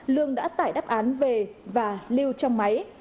lương đã tải đáp án về và lưu trong máy